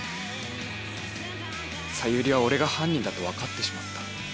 さゆりは俺が犯人だと分かってしまった。